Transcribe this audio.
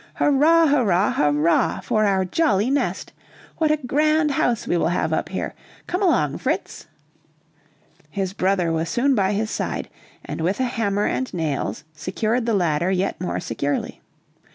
"Hurrah, hurrah, hurrah for our jolly nest! What a grand house we will have up here; come along, Fritz!" His brother was soon by his side, and with a hammer and nails secured the ladder yet more securely.